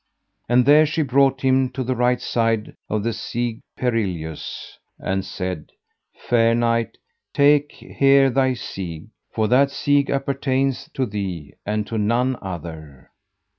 And there she brought him to the right side of the Siege Perilous, and said, Fair knight, take here thy siege, for that siege appertaineth to thee and to none other.